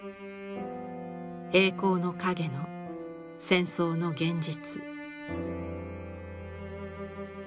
栄光の陰の戦争の現実。